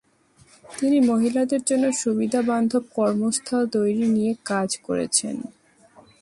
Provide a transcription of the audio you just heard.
তিনি মহিলাদের জন্য সুবিধা বান্ধব কর্মস্থল তৈরি নিয়ে কাজ করছেন।